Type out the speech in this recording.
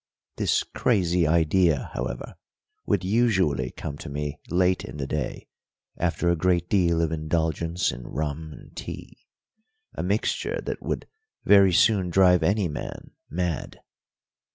This crazy idea, however, would usually come to me late in the day, after a great deal of indulgence in rum and tea, a mixture that would very soon drive any man mad.